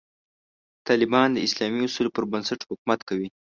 طالبان د اسلامي اصولو پر بنسټ حکومت کوي.